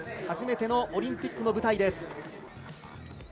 初めてのオリンピックの舞台です。